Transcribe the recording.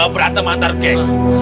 berantem antar geng